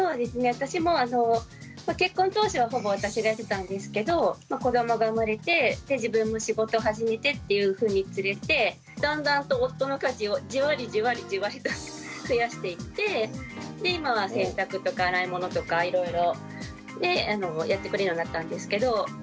私も結婚当初はほぼ私がやってたんですけど子どもが生まれて自分も仕事始めてっていうふうにつれてだんだんと夫の家事をじわりじわりじわりと増やしていってで今は洗濯とか洗い物とかいろいろやってくれるようになったんですけど。